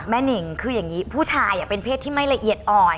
หนิ่งคืออย่างนี้ผู้ชายเป็นเพศที่ไม่ละเอียดอ่อน